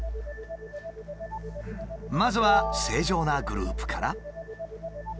まずは正常なグループから。